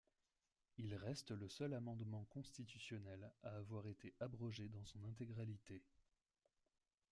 Il reste le seul amendement constitutionnel à avoir été abrogé dans son intégralité.